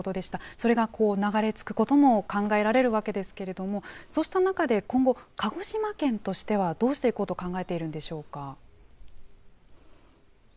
それが流れ着くことも考えられるわけですけれども、そうした中で、今後、鹿児島県としてはどうしていこうと考えているんでしょうか。